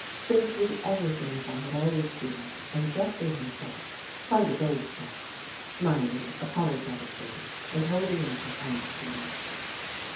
Simply everything as I had always seen it and Jeffrey himself — quite his old self, smiling apologetically and holding out his hand to me.